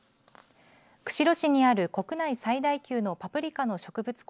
釧路市にある国内最大級のパプリカの植物